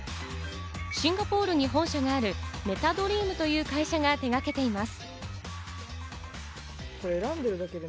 シンガポールに本社があるＭｅｔａｄｒｅａｍという会社が手がけています。